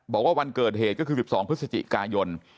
บอกว่าวันเกิดเหตุก็คือ๑๒พฤศจิกายน